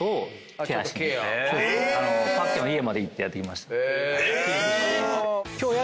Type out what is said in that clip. パッキャオの家まで行ってやってきました。